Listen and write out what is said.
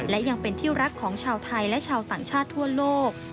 และยังเป็นที่รักของชาวไทยและชาวต่างชาติทั่วโลก